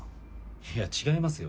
いや違いますよ。